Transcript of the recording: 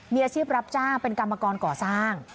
มีอาชีพรับจ้างเป็นกรรมกรก่อสร้าง